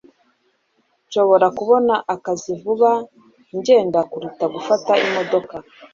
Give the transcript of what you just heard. Nshobora kubona akazi vuba ngenda kuruta gufata imodoka